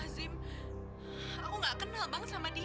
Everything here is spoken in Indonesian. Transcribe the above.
sekarang juga gua mau main